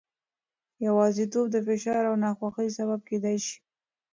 یوازیتوب د فشار او ناخوښۍ سبب کېدای شي.